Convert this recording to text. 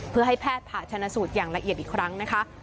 เพื่อให้แพทย์ผ่าชนะสูตรอย่างละเอียดอีกครั้งนะคะ